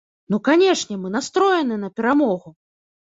Ну, канешне, мы настроеныя на перамогу!